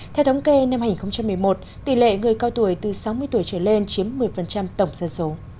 theo thống kê năm hai nghìn một mươi một tỷ lệ người cao tuổi từ sáu mươi tuổi trở lên chiếm một mươi tổng dân số